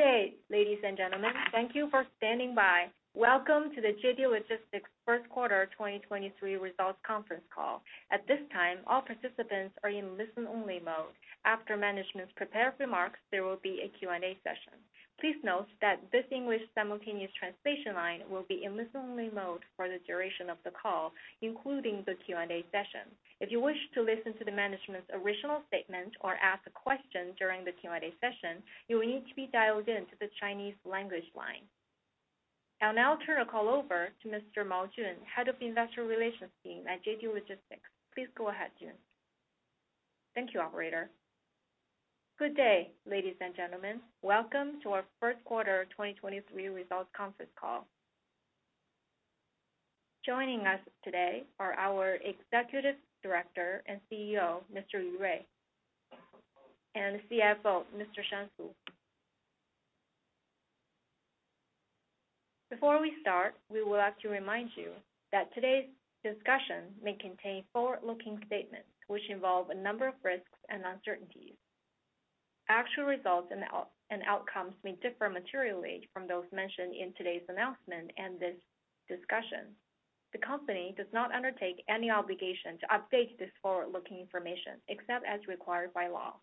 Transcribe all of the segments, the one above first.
Good day, ladies and gentlemen. Thank you for standing by. Welcome to the JD Logistics First Quarter 2023 Results Conference Call. At this time, all participants are in listen-only mode. After management's prepared remarks, there will be a Q&A session. Please note that this English simultaneous translation line will be in listen-only mode for the duration of the call, including the Q&A session. If you wish to listen to the management's original statement or ask a question during the Q&A session, you will need to be dialed in to the Chinese language line. I'll now turn the call over to Mr. Mao Jun, Head of Investor Relations team at JD Logistics. Please go ahead, Jun. Thank you, operator. Good day, ladies and gentlemen. Welcome to our first quarter 2023 results conference call. Joining us today are our Executive Director and CEO, Mr. Yu Rui, and the CFO, Mr. Shan Su. Before we start, we would like to remind you that today's discussion may contain forward-looking statements, which involve a number of risks and uncertainties. Actual results and outcomes may differ materially from those mentioned in today's announcement and this discussion. The company does not undertake any obligation to update this forward-looking information, except as required by law.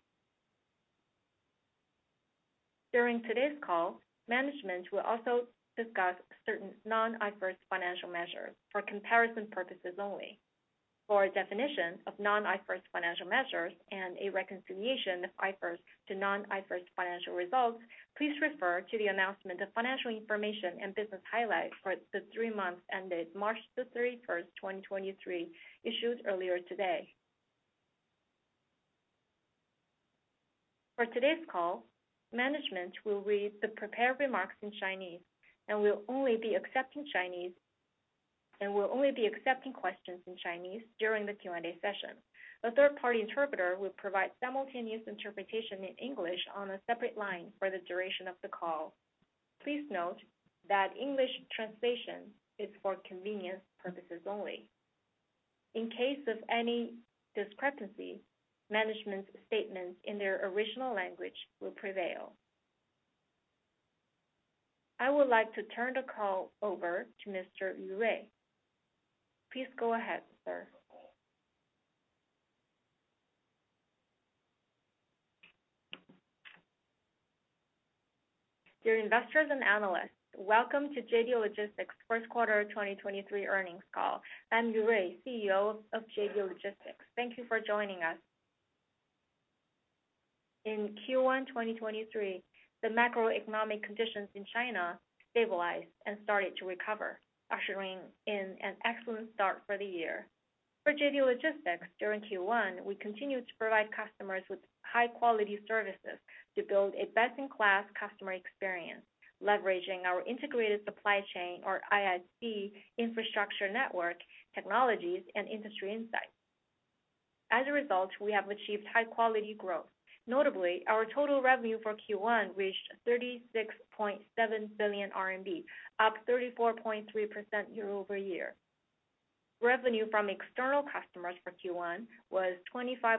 During today's call, management will also discuss certain non-IFRS financial measures for comparison purposes only. For a definition of non-IFRS financial measures and a reconciliation of IFRS to non-IFRS financial results, please refer to the announcement of financial information and business highlights for the three months ended March the 31st, 2023, issued earlier today. For today's call, management will read the prepared remarks in Chinese and will only be accepting questions in Chinese during the Q&A session. The third-party interpreter will provide simultaneous interpretation in English on a separate line for the duration of the call. Please note that English translation is for convenience purposes only. In case of any discrepancy, management's statements in their original language will prevail. I would like to turn the call over to Mr. Yu Rui. Please go ahead, sir. Dear investors and analysts, welcome to JD Logistics First Quarter 2023 earnings call. I'm Yu Rui, CEO of JD Logistics. Thank you for joining us. In Q1, 2023, the macroeconomic conditions in China stabilized and started to recover, ushering in an excellent start for the year. For JD Logistics, during Q1, we continued to provide customers with high-quality services to build a best-in-class customer experience, leveraging our Integrated Supply Chain or ISC infrastructure network, technologies, and industry insights. As a result, we have achieved high quality growth. Notably, our total revenue for Q1 reached 36.7 billion RMB, up 34.3% year-over-year. Revenue from external customers for Q1 was 25.5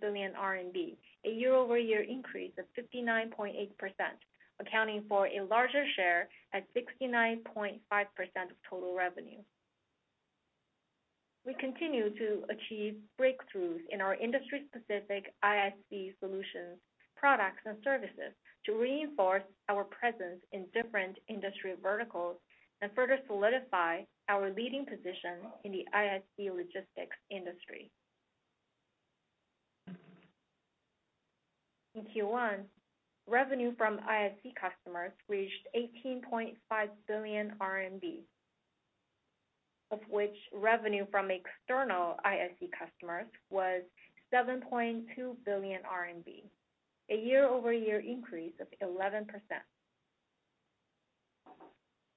billion RMB, a year-over-year increase of 59.8%, accounting for a larger share at 69.5% of total revenue. We continue to achieve breakthroughs in our industry-specific ISC solutions, products, and services to reinforce our presence in different industry verticals and further solidify our leading position in the ISC logistics industry. In Q1, revenue from ISC customers reached 18.5 billion RMB, of which revenue from external ISC customers was 7.2 billion RMB, a year-over-year increase of 11%.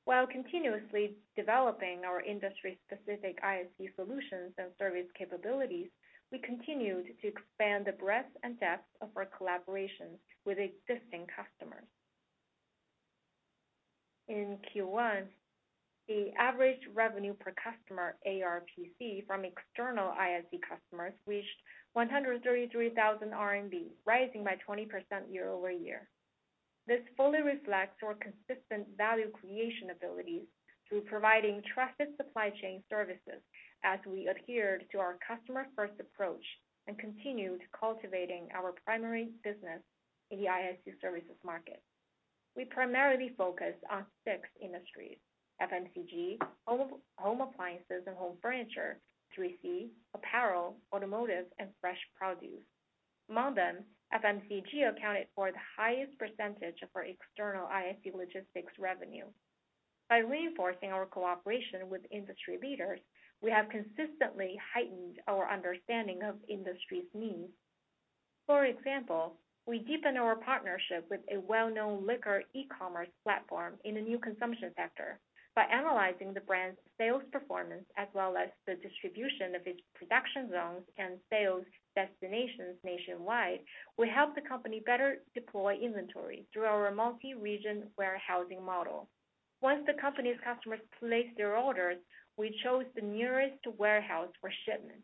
While continuously developing our industry-specific ISC solutions and service capabilities, we continued to expand the breadth and depth of our collaborations with existing customers. In Q1, the average revenue per customer, ARPC, from external ISC customers reached 133,000 RMB, rising by 20% year-over-year. This fully reflects our consistent value creation abilities through providing trusted supply chain services as we adhered to our customer-first approach and continued cultivating our primary business in the ISC services market. We primarily focus on six industries: FMCG, home appliances and home furniture, 3C, apparel, automotive, and fresh produce. Among them, FMCG accounted for the highest percentage of our external ISC logistics revenue. By reinforcing our cooperation with industry leaders, we have consistently heightened our understanding of industry's needs. For example, we deepened our partnership with a well-known liquor e-commerce platform in a new consumption sector. By analyzing the brand's sales performance as well as the distribution of its production zones and sales destinations nationwide, we helped the company better deploy inventory through our multi-region warehousing model. Once the company's customers placed their orders, we chose the nearest warehouse for shipment.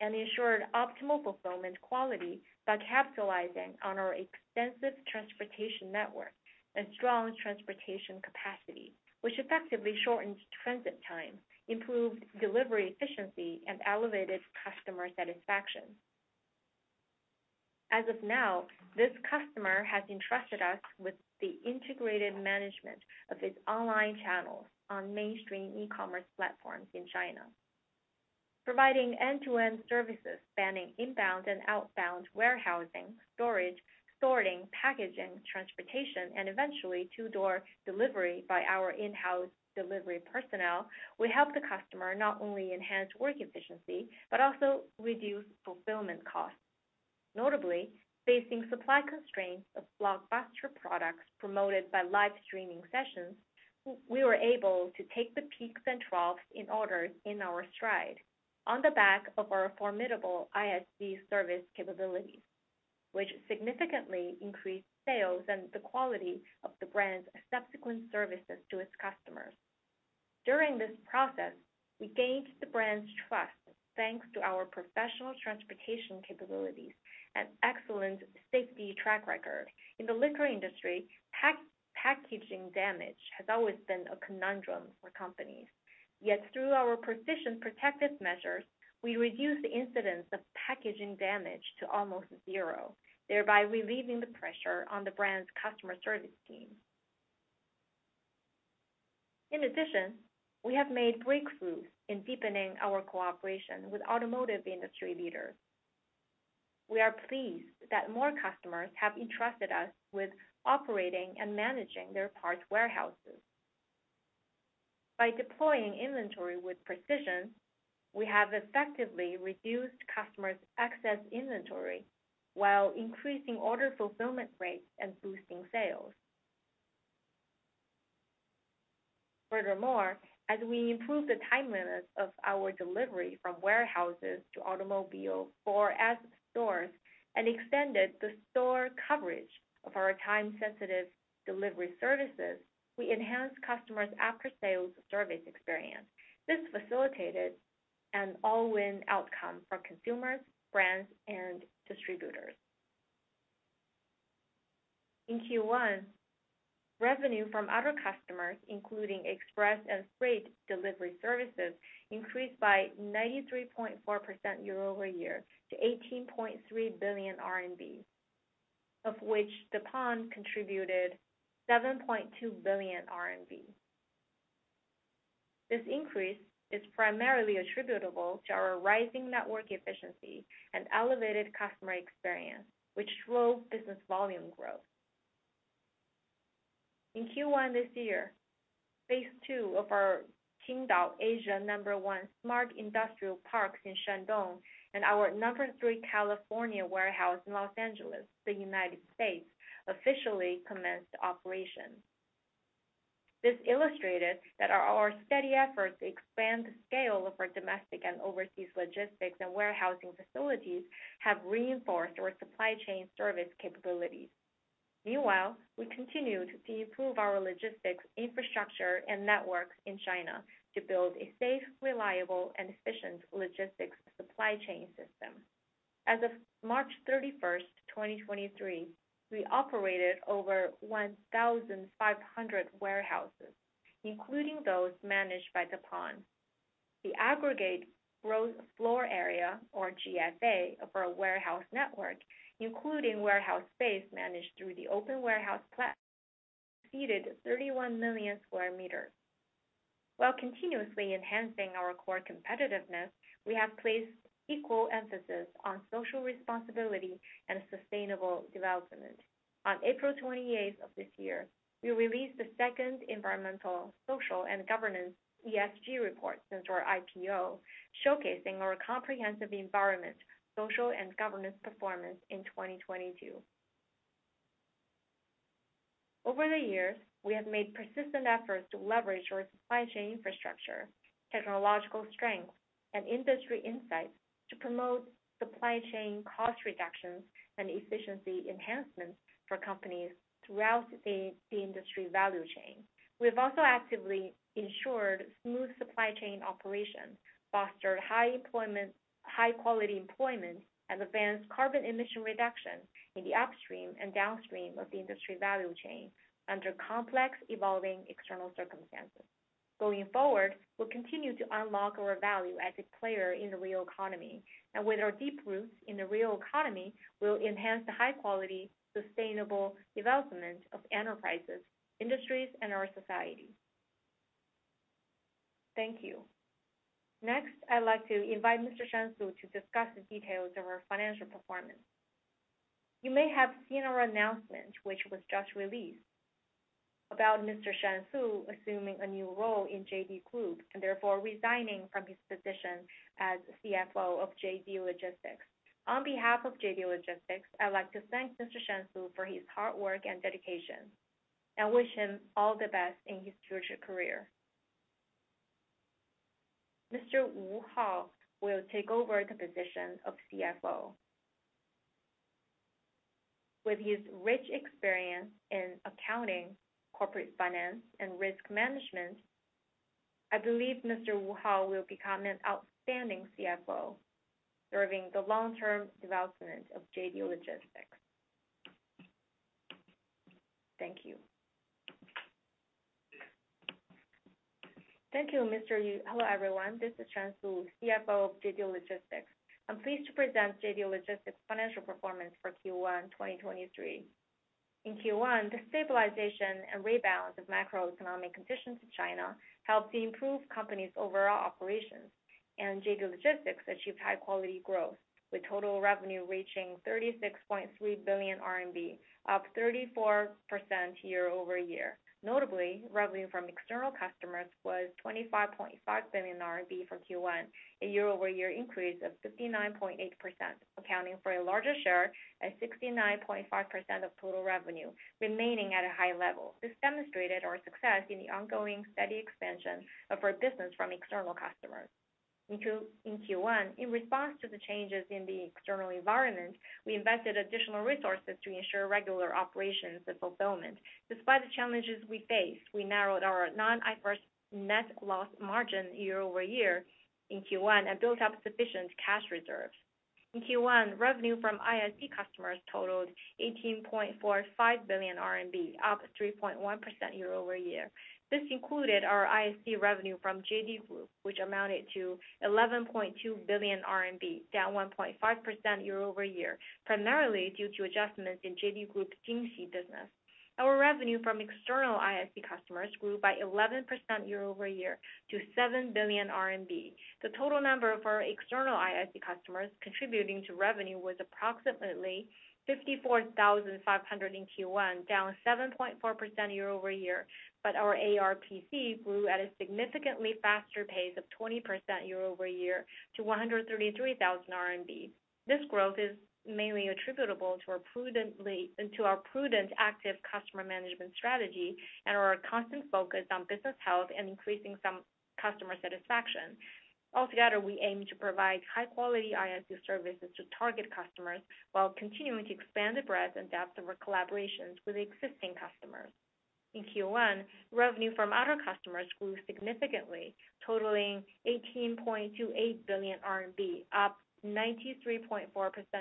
Ensured optimal fulfillment quality by capitalizing on our extensive transportation network and strong transportation capacity, which effectively shortened transit time, improved delivery efficiency, and elevated customer satisfaction. As of now, this customer has entrusted us with the integrated management of its online channels on mainstream e-commerce platforms in China. Providing end-to-end services spanning inbound and outbound warehousing, storage, sorting, packaging, transportation, and eventually two-door delivery by our in-house delivery personnel, we help the customer not only enhance work efficiency, but also reduce fulfillment costs. Notably, facing supply constraints of blockbuster products promoted by live streaming sessions, we were able to take the peaks and troughs in orders in our stride on the back of our formidable ISV service capabilities, which significantly increased sales and the quality of the brand's subsequent services to its customers. During this process, we gained the brand's trust thanks to our professional transportation capabilities and excellent safety track record. In the liquor industry, packaging damage has always been a conundrum for companies. Through our precision protective measures, we reduced the incidence of packaging damage to almost zero, thereby relieving the pressure on the brand's customer service team. In addition, we have made breakthroughs in deepening our cooperation with automotive industry leaders. We are pleased that more customers have entrusted us with operating and managing their parts warehouses. By deploying inventory with precision, we have effectively reduced customers' excess inventory while increasing order fulfillment rates and boosting sales. Furthermore, as we improve the timeliness of our delivery from warehouses to automobile or at stores, and extended the store coverage of our time-sensitive delivery services, we enhanced customers' after-sales service experience. This facilitated an all-win outcome for consumers, brands, and distributors. In Q1, revenue from other customers, including express and freight delivery services, increased by 93.4% year-over-year to 18.3 billion RMB, of which Deppon contributed 7.2 billion RMB. This increase is primarily attributable to our rising network efficiency and elevated customer experience, which drove business volume growth. In Q1 this year, phase two of our Qingdao Asia No. 1 smart industrial parks in Shandong and our number three California warehouse in Los Angeles, the United States, officially commenced operation. This illustrated that our steady efforts to expand the scale of our domestic and overseas logistics and warehousing facilities have reinforced our supply chain service capabilities. We continue to improve our logistics infrastructure and networks in China to build a safe, reliable, and efficient logistics supply chain system. As of March 31, 2023, we operated over 1,500 warehouses, including those managed by Deppon. The aggregate gross floor area, or GFA, of our warehouse network, including warehouse space managed through the open warehouse, exceeded 31 million square meters. Continuously enhancing our core competitiveness, we have placed equal emphasis on social responsibility and sustainable development. On April 28 of this year, we released the second environmental, social, and governance (ESG) report since our IPO, showcasing our comprehensive environment, social, and governance performance in 2022. Over the years, we have made persistent efforts to leverage our supply chain infrastructure, technological strength, and industry insights to promote supply chain cost reductions and efficiency enhancements for companies throughout the industry value chain. We've also actively ensured smooth supply chain operations, fostered high-quality employment, and advanced carbon emission reduction in the upstream and downstream of the industry value chain under complex, evolving external circumstances. Going forward, we'll continue to unlock our value as a player in the real economy. With our deep roots in the real economy, we'll enhance the high-quality, sustainable development of enterprises, industries, and our society. Thank you. Next, I'd like to invite Mr. Shan Su to discuss the details of our financial performance. You may have seen our announcement, which was just released, about Mr. Shan Su assuming a new role in JD Group, and therefore resigning from his position as CFO of JD Logistics. On behalf of JD Logistics, I'd like to thank Mr. Shan Su for his hard work and dedication, and wish him all the best in his future career. Mr. Wu Hao will take over the position of CFO. With his rich experience in accounting, corporate finance, and risk management, I believe Mr. Wu Hao will become an outstanding CFO, serving the long-term development of JD Logistics. Thank you. Thank you, Mr. Yu Rui. Hello, everyone. This is Shan Su, CFO of JD Logistics. I'm pleased to present JD Logistics' financial performance for Q1 2023. In Q1, the stabilization and rebalance of macroeconomic conditions in China helped to improve company's overall operations, and JD Logistics achieved high-quality growth, with total revenue reaching 36.3 billion RMB, up 34% year-over-year. Notably, revenue from external customers was 25.5 billion RMB for Q1, a year-over-year increase of 59.8%, accounting for a larger share at 69.5% of total revenue, remaining at a high level. This demonstrated our success in the ongoing steady expansion of our business from external customers. In Q1, in response to the changes in the external environment, we invested additional resources to ensure regular operations and fulfillment. Despite the challenges we faced, we narrowed our non-IFRS net loss margin year-over-year in Q1 and built up sufficient cash reserves. In Q1, revenue from ISC customers totaled 18.45 billion RMB, up 3.1% year-over-year. This included our ISC revenue from JD Group, which amounted to 11.2 billion RMB, down 1.5% year-over-year, primarily due to adjustments in JD Group's Jingxi business. Our revenue from external ISC customers grew by 11% year-over-year to 7 billion RMB. The total number of our external ISC customers contributing to revenue was approximately 54,500 in Q1, down 7.4% year-over-year. Our ARPC grew at a significantly faster pace of 20% year-over-year to 133,000 RMB. This growth is mainly attributable to our prudent active customer management strategy and our constant focus on business health and increasing some customer satisfaction. Altogether, we aim to provide high-quality ISC services to target customers while continuing to expand the breadth and depth of our collaborations with existing customers. In Q1, revenue from other customers grew significantly, totaling 18.28 billion RMB, up 93.4%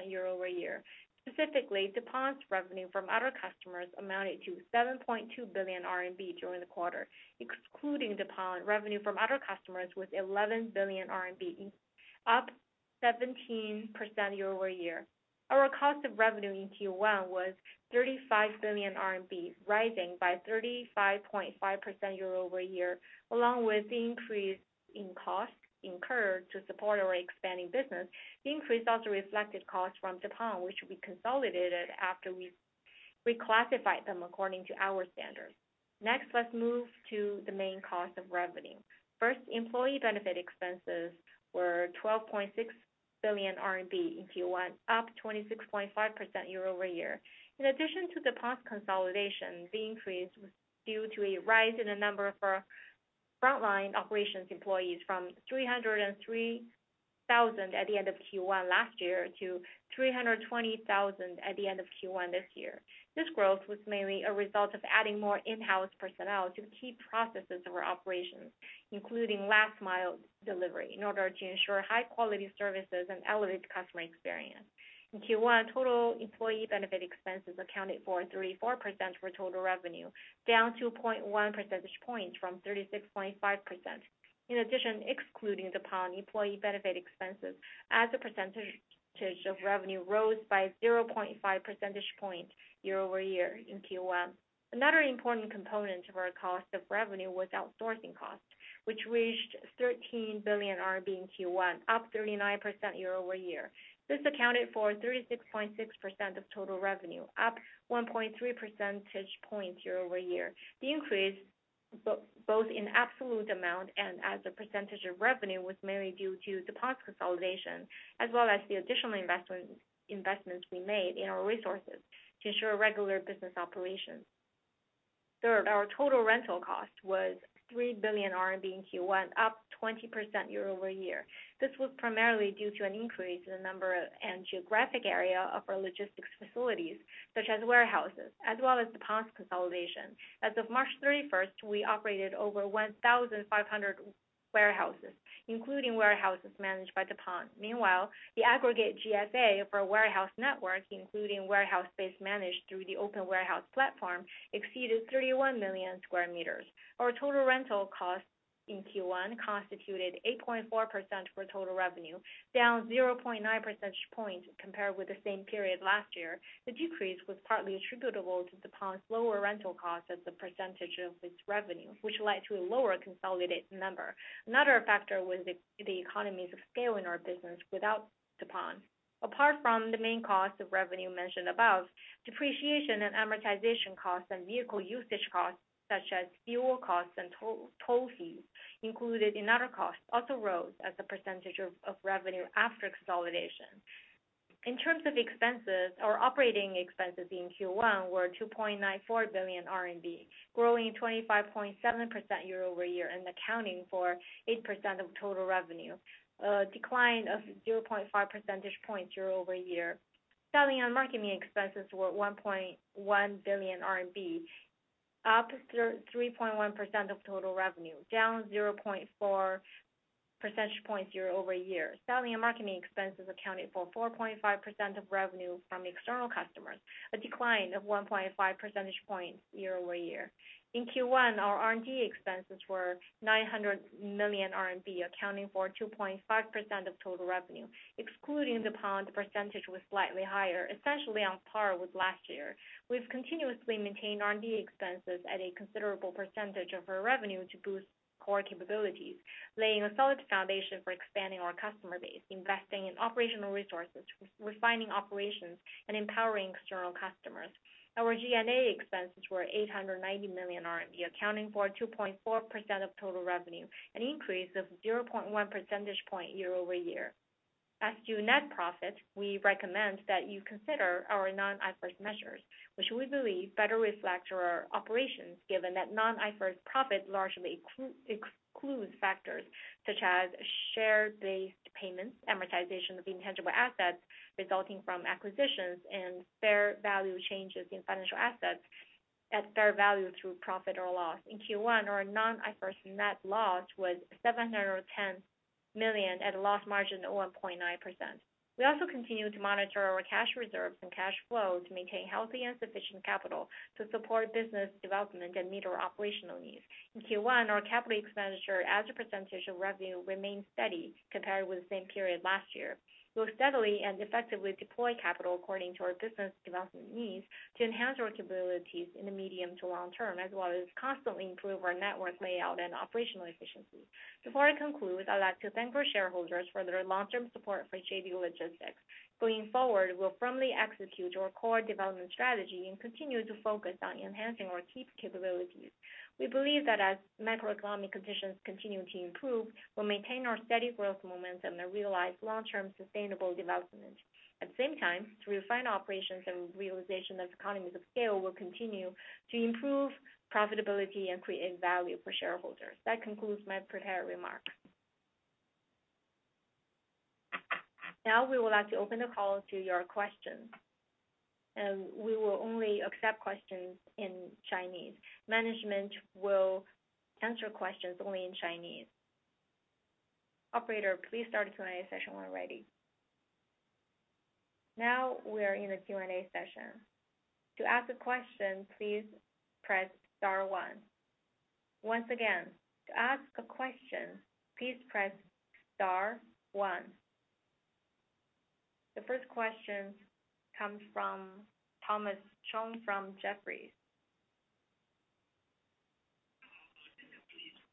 year-over-year. Specifically, Deppon's revenue from other customers amounted to 7.2 billion RMB during the quarter, excluding Deppon revenue from other customers was 11 billion RMB, up 17% year-over-year. Our cost of revenue in Q1 was 35 billion RMB, rising by 35.5% year-over-year. Along with the increase in costs incurred to support our expanding business, the increase also reflected costs from Deppon, which we consolidated after we reclassified them according to our standards. Let's move to the main cost of revenue. Employee benefit expenses were 12.6 billion RMB in Q1, up 26.5% year-over-year. In addition to Deppon's consolidation, the increase was due to a rise in the number of our frontline operations employees from 303,000 at the end of Q1 last year to 320,000 at the end of Q1 this year. This growth was mainly a result of adding more in-house personnel to key processes of our operations, including last mile delivery, in order to ensure high-quality services and elevate customer experience. In Q1, total employee benefit expenses accounted for 34% of our total revenue, down 0.1 percentage point from 36.5%. In addition, excluding Deppon employee benefit expenses as a percentage of revenue rose by 0.5 percentage point year-over-year in Q1. Another important component of our cost of revenue was outsourcing costs, which reached 13 billion RMB in Q1, up 39% year-over-year. This accounted for 36.6% of total revenue, up 1.3 percentage points year-over-year. The increase both in absolute amount and as a percentage of revenue was mainly due to Deppon's consolidation, as well as the additional investments we made in our resources to ensure regular business operations. Third, our total rental cost was 3 billion RMB in Q1, up 20% year-over-year. This was primarily due to an increase in the number and geographic area of our logistics facilities, such as warehouses, as well as Deppon's consolidation. As of March 31st, we operated over 1,500 warehouses, including warehouses managed by Deppon. Meanwhile, the aggregate GFA of our warehouse network, including warehouse space managed through the open warehouse platform, exceeded 31 million square meters. Our total rental costs in Q1 constituted 8.4% of our total revenue, down 0.9 percentage points compared with the same period last year. The decrease was partly attributable to Deppon's lower rental costs as a percentage of its revenue, which led to a lower consolidated number. Another factor was the economies of scale in our business without Deppon. Apart from the main cost of revenue mentioned above, depreciation and amortization costs and vehicle usage costs, such as fuel costs and toll fees included in other costs, also rose as a percentage of revenue after consolidation. In terms of expenses, our operating expenses in Q1 were 2.94 billion RMB, growing 25.7% year-over-year and accounting for 8% of total revenue, a decline of 0.5 percentage points year-over-year. Selling and marketing expenses were 1.1 billion RMB, up 3.1% of total revenue, down 0.4 percentage points year-over-year. Selling and marketing expenses accounted for 4.5% of revenue from external customers, a decline of 1.5 percentage points year-over-year. In Q1, our R&D expenses were 900 million RMB, accounting for 2.5% of total revenue. Excluding Deppon, the percentage was slightly higher, essentially on par with last year. We've continuously maintained R&D expenses at a considerable percentage of our revenue to boost core capabilities, laying a solid foundation for expanding our customer base, investing in operational resources, re-refining operations, and empowering external customers. Our G&A expenses were 890 million RMB, accounting for 2.4% of total revenue, an increase of 0.1 percentage point year-over-year. As to net profit, we recommend that you consider our non-IFRS measures, which we believe better reflect our operations, given that non-IFRS profit largely excludes factors such as share-based payments, amortization of intangible assets resulting from acquisitions, and fair value changes in financial assets at fair value through profit or loss. In Q1, our non-IFRS net loss was 710 million at a loss margin of 1.9%. We also continue to monitor our cash reserves and cash flow to maintain healthy and sufficient capital to support business development and meet our operational needs. In Q1, our capital expenditure as a percentage of revenue remained steady compared with the same period last year. We will steadily and effectively deploy capital according to our business development needs to enhance our capabilities in the medium to long term, as well as constantly improve our network layout and operational efficiency. Before I conclude, I'd like to thank our shareholders for their long-term support for JD Logistics. Going forward, we'll firmly execute our core development strategy and continue to focus on enhancing our key capabilities. We believe that as macroeconomic conditions continue to improve, we'll maintain our steady growth momentum and realize long-term sustainable development. At the same time, through refined operations and realization of economies of scale, we'll continue to improve profitability and create value for shareholders. That concludes my prepared remarks. Now, we would like to open the call to your questions. We will only accept questions in Chinese. Management will answer questions only in Chinese. Operator, please start the Q&A session when ready. Now, we are in the Q&A session. To ask a question, please press star one. Once again, to ask a question, please press star one. The first question comes from Thomas Chong from Jefferies.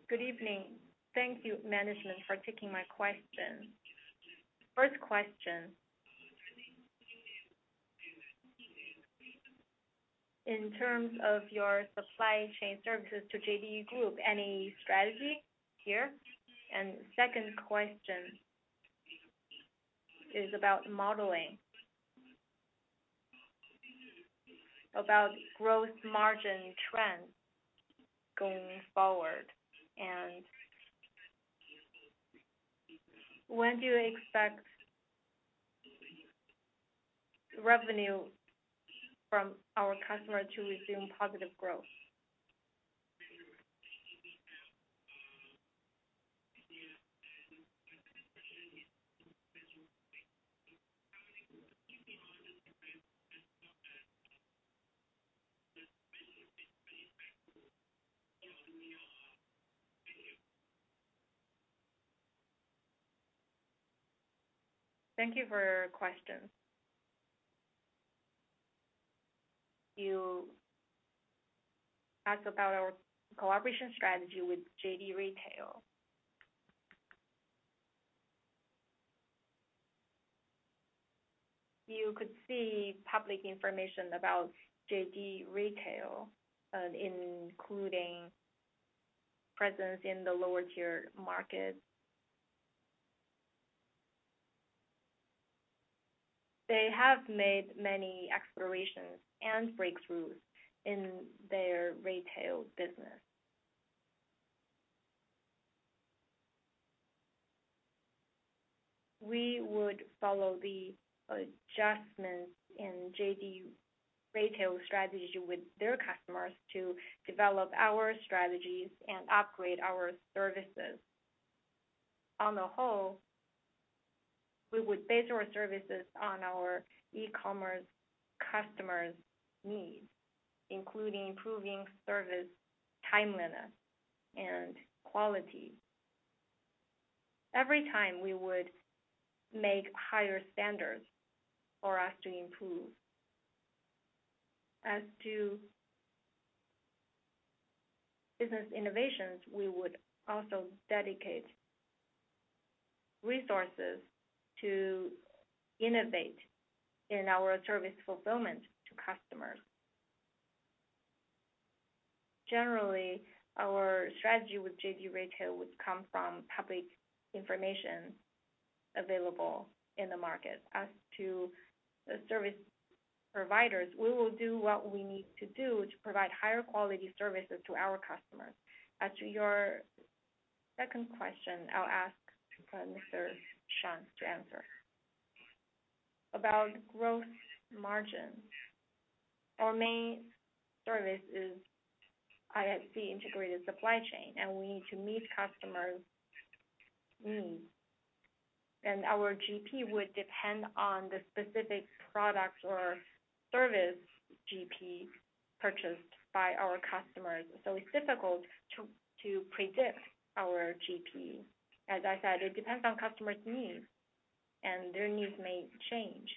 Good evening. Thank you, management, for taking my questions. First question. In terms of your supply chain services to JD Group, any strategy here? Second question is about modeling. About gross margin trend going forward, and when do you expect revenue from our customer to resume positive growth? Thank you for your question. You asked about our collaboration strategy with JD Retail. You could see public information about JD Retail, including presence in the lower-tier market. They have made many explorations and breakthroughs in their retail business. We would follow the adjustments in JD Retail strategy with their customers to develop our strategies and upgrade our services. On the whole, we would base our services on our e-commerce customers' needs, including improving service timeliness and quality. Every time we would make higher standards for us to improve. As to business innovations, we would also dedicate resources to innovate in our service fulfillment to customers. Generally, our strategy with JD Retail would come from public information available in the market. As to the service providers, we will do what we need to do to provide higher quality services to our customers. As to your second question, I'll ask Mr. Shan to answer. About gross margins. Our main service is ISC integrated supply chain, and we need to meet customers' needs. Our GP would depend on the specific product or service GP purchased by our customers. It's difficult to predict our GP. As I said, it depends on customers' needs, and their needs may change.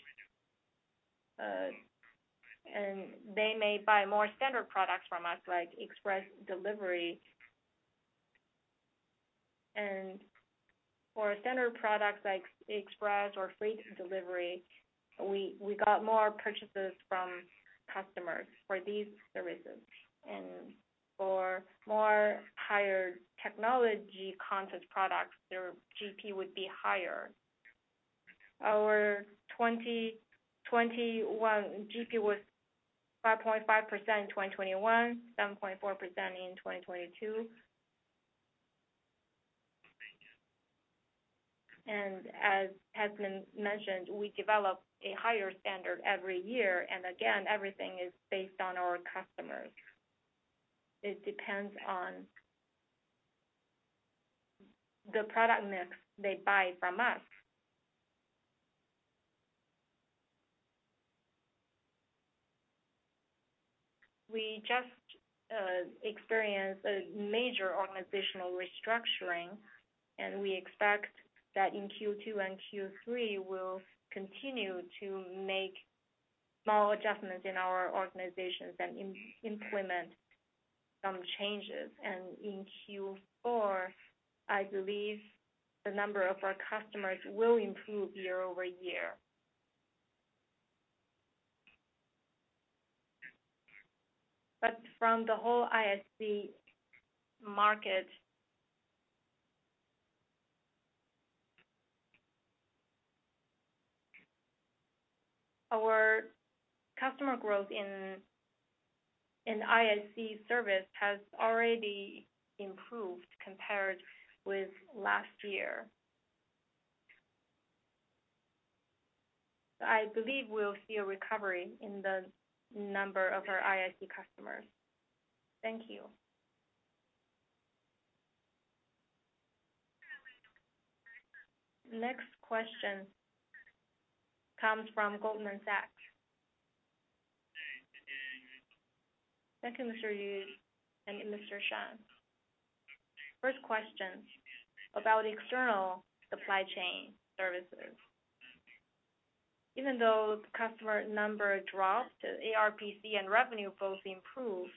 They may buy more standard products from us, like express delivery. For standard products like express or freight delivery, we got more purchases from customers for these services. For more higher technology content products, their GP would be higher. Our GP was 5.5% in 2021, 7.4% in 2022. As has been mentioned, we develop a higher standard every year and again, everything is based on our customers. It depends on the product mix they buy from us. We just experienced a major organizational restructuring, and we expect that in Q2 and Q3, we'll continue to make small adjustments in our organizations and implement some changes. In Q4, I believe the number of our customers will improve year-over-year. From the whole ISC market... Our customer growth in ISC service has already improved compared with last year. I believe we'll see a recovery in the number of our ISC customers. Thank you. Next question comes from Goldman Sachs. Thank you, Mr. Yu and Mr. Shan. First question, about external supply chain services. Even though the customer number dropped, ARPC and revenue both improved.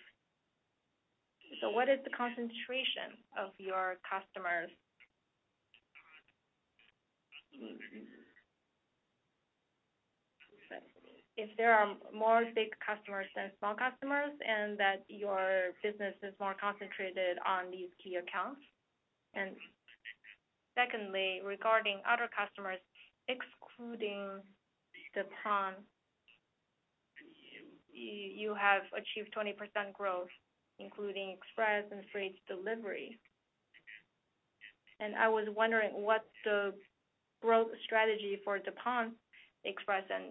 What is the concentration of your customers? If there are more big customers than small customers and that your business is more concentrated on these key accounts? Secondly, regarding other customers, excluding Deppon, you have achieved 20% growth, including express and freight delivery. I was wondering what's the growth strategy for Deppon express and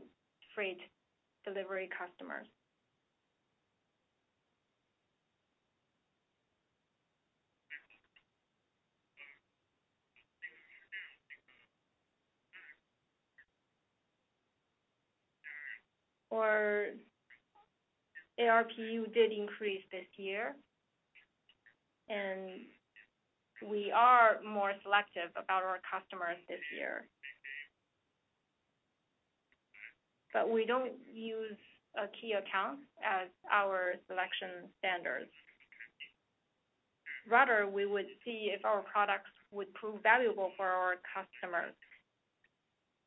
freight delivery customers? Our ARPU did increase this year, and we are more selective about our customers this year. We don't use key accounts as our selection standards. Rather, we would see if our products would prove valuable for our customers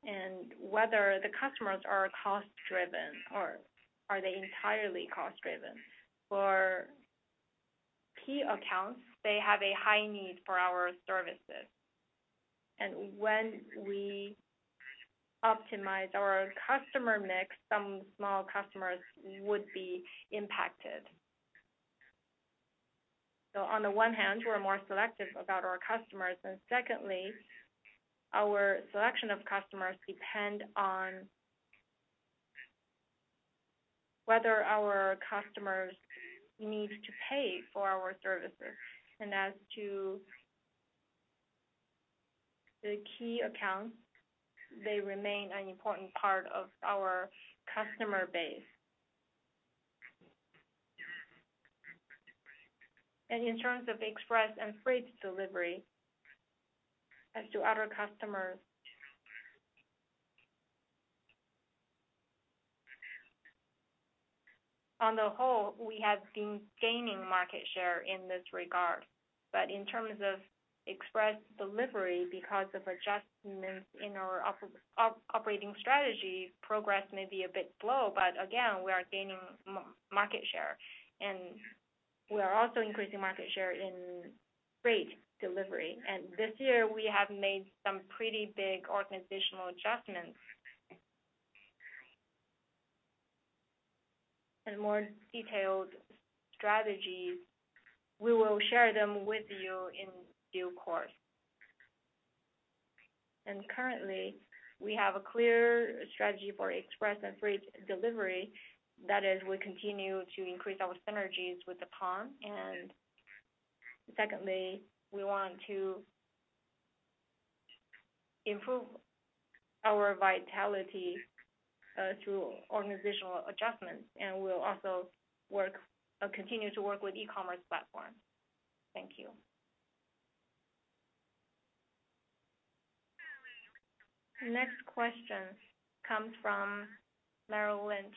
and whether the customers are cost-driven or are they entirely cost-driven. For key accounts, they have a high need for our services. When we optimize our customer mix, some small customers would be impacted. On the one hand, we're more selective about our customers, secondly, our selection of customers depend on whether our customers need to pay for our services. As to the key accounts, they remain an important part of our customer base. In terms of express and freight delivery as to other customers, on the whole, we have been gaining market share in this regard. In terms of express delivery, because of adjustments in our operating strategy, progress may be a bit slow, but again, we are gaining market share, and we are also increasing market share in freight delivery. This year, we have made some pretty big organizational adjustments. More detailed strategies, we will share them with you in due course. Currently, we have a clear strategy for express and freight delivery. That is we continue to increase our synergies with Deppon. Secondly, we want to improve our vitality through organizational adjustments, and we'll also work or continue to work with e-commerce platforms. Thank you. The next question comes from Merrill Lynch.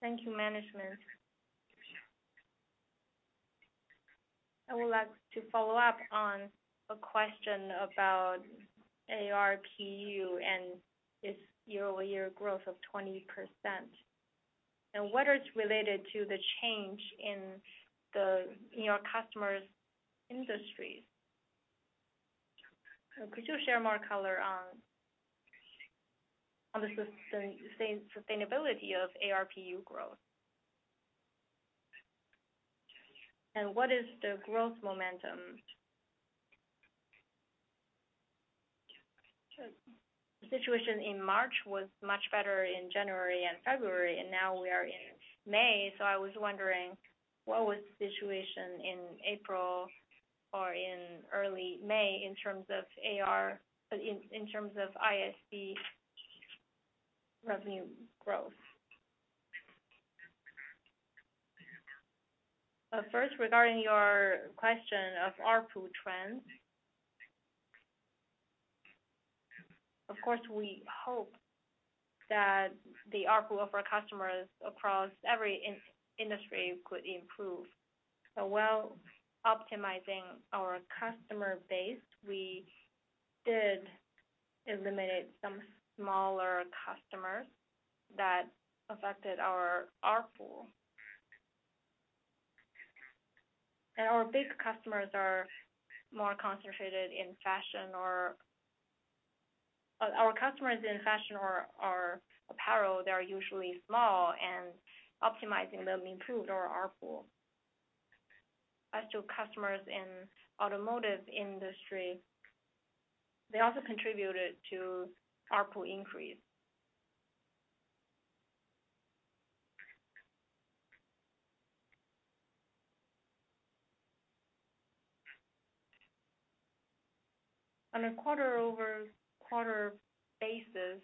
Thank you, management. I would like to follow up on a question about ARPU and its year-over-year growth of 20%. Whether it's related to the change in your customers' industries. Could you share more color on the sustainability of ARPU growth? What is the growth momentum? The situation in March was much better in January and February, and now we are in May. I was wondering what was the situation in April or in early May in terms of ISP revenue growth? First, regarding your question of ARPU trends. Of course, we hope that the ARPU of our customers across every industry could improve. While optimizing our customer base, we did eliminate some smaller customers that affected our ARPU. Our big customers are more concentrated in fashion. Our customers in fashion or apparel, they are usually small, and optimizing them improved our ARPU. As to customers in automotive industry, they also contributed to ARPU increase. On a quarter-over-quarter basis,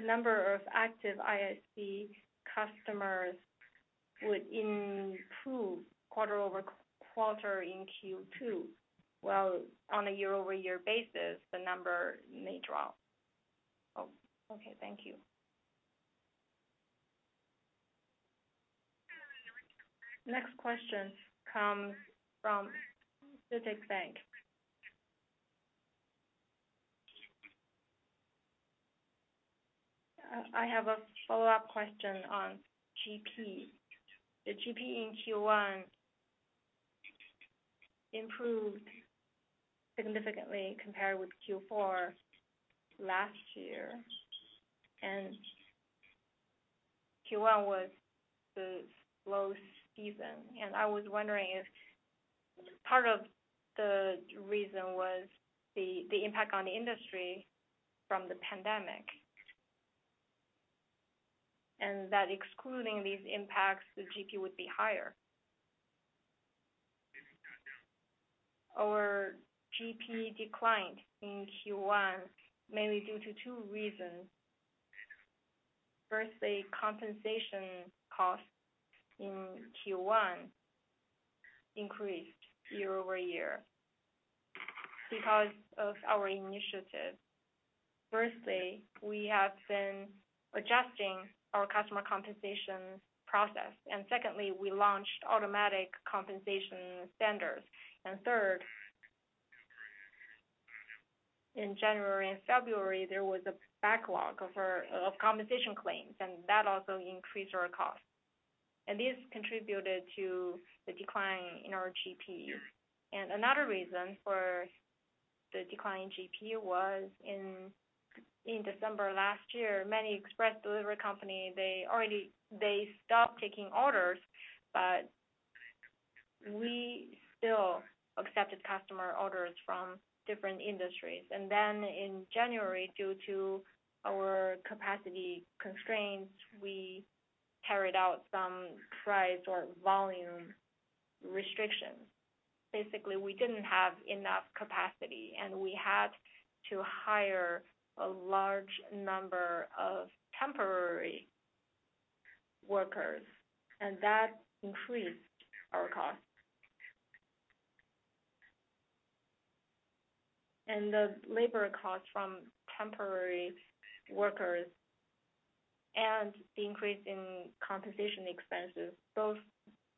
the number of active ISP customers would improve quarter-over-quarter in Q2, while on a year-over-year basis, the number may drop. Oh, okay. Thank you. Next question comes from [CITIC Securities]. I have a follow-up question on GP. The GP in Q1 improved significantly compared with Q4 last year. Q1 was the slow season. I was wondering if part of the reason was the impact on the industry from the pandemic, and that excluding these impacts, the GP would be higher. Our GP declined in Q1, mainly due to two reasons. Firstly, compensation costs in Q1 increased year-over-year because of our initiative. Firstly, we have been adjusting our customer compensation process. Secondly, we launched automatic compensation standards. Third, in January and February, there was a backlog of compensation claims, and that also increased our costs. This contributed to the decline in our GP. Another reason for the decline in GP was in December last year, many express delivery company, they already stopped taking orders, but we still accepted customer orders from different industries. In January, due to our capacity constraints, we carried out some price or volume restrictions. Basically, we didn't have enough capacity, and we had to hire a large number of temporary workers, and that increased our costs. The labor costs from temporary workers and the increase in compensation expenses both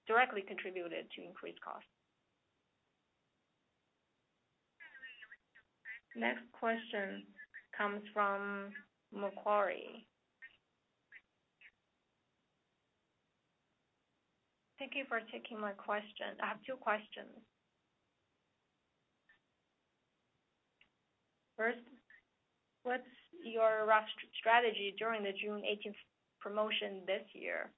directly contributed to increased costs. The next question comes from Macquarie. Thank you for taking my question. I have two questions. First, what's your rush to strategy during the June 18th Promotion this year?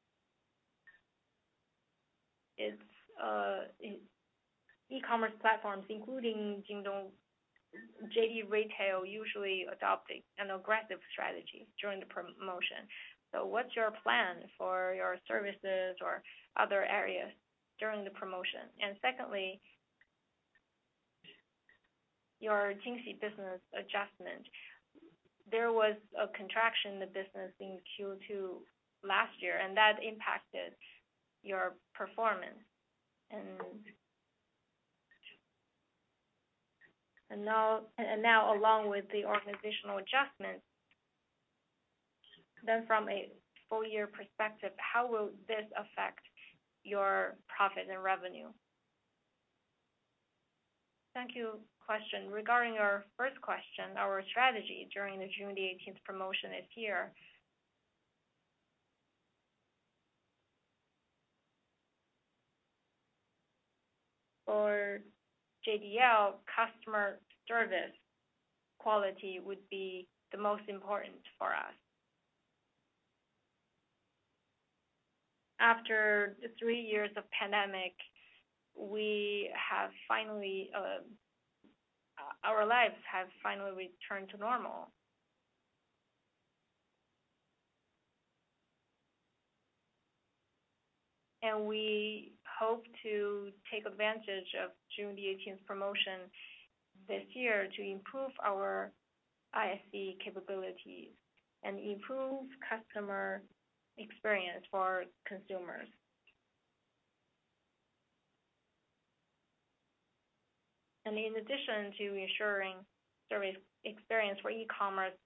It's e-commerce platforms including Jingdong, JD Retail usually adopting an aggressive strategy during the promotion. What's your plan for your services or other areas during the promotion? Secondly, your Jingxi business adjustment. There was a contraction in the business in Q2 last year, and that impacted your performance. Now, along with the organizational adjustments, from a full year perspective, how will this affect your profit and revenue? Thank you. Question. Regarding our first question, our strategy during the June the 18th promotion is here. For JDL, customer service quality would be the most important for us. After the three years of pandemic, we have finally, our lives have finally returned to normal. We hope to take advantage of June the 18th promotion this year to improve our ISC capabilities and improve customer experience for consumers. In addition to ensuring service experience for e-commerce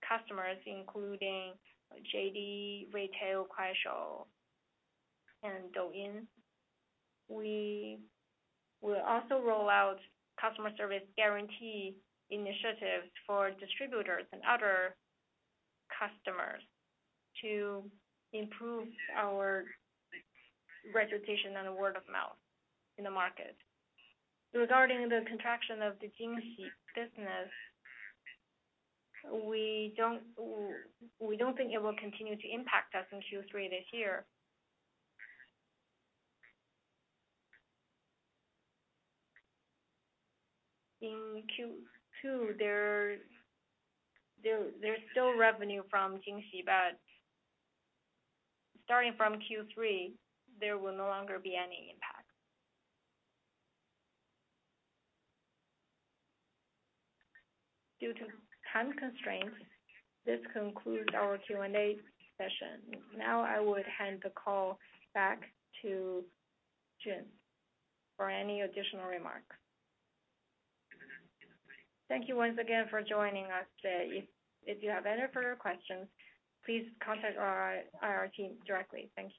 customers, including JD Retail, Kuaishou, and Douyin, we will also roll out customer service guarantee initiatives for distributors and other customers to improve our reputation and word of mouth in the market. Regarding the contraction of the Jingxi business, we don't think it will continue to impact us in Q3 this year. In Q2, there's still revenue from Jingxi, starting from Q3, there will no longer be any impact. Due to time constraints, this concludes our Q&A session. I would hand the call back to June for any additional remarks. Thank you once again for joining us today. If you have any further questions, please contact our team directly. Thank you.